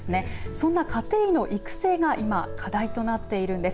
そんな家庭医の育成が今、課題となっているんです。